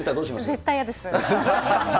絶対嫌です。